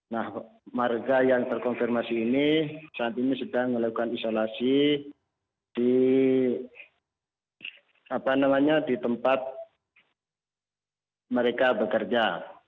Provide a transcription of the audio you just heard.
nah warga yang terkonfirmasi ini saat ini sedang melakukan isolasi di tempat mereka bekerja